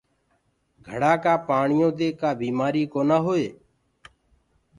گھڙآ ڪآ پآڻيو دي ڪآ بيمآري ڪونآ هوئي۔